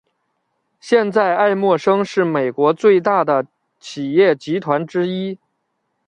现在艾默生是美国最大的企业集团之一。